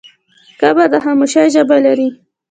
قبر د خاموشۍ ژبه لري.